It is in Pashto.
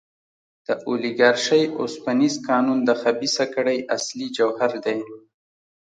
د اولیګارشۍ اوسپنیز قانون د خبیثه کړۍ اصلي جوهر دی.